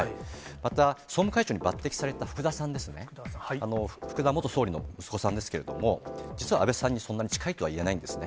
また、総務会長に抜てきされた福田さんですね、福田元総理の息子さんですけれども、実は安倍さんにそんなに近いとはいえないんですね。